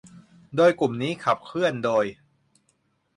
โดยกลุ่มนี้ขับเคลื่อนโดย